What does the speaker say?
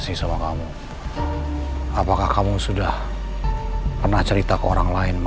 kita boleh bicara sebentar gak disini